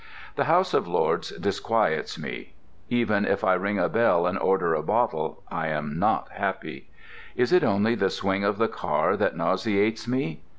The House of Lords disquiets me. Even if I ring a bell and order a bottle I am not happy. Is it only the swing of the car that nauseates me?